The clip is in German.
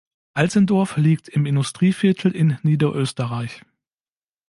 Altendorf liegt im Industrieviertel in Niederösterreich.